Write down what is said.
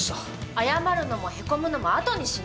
謝るのもへこむのもあとにしな。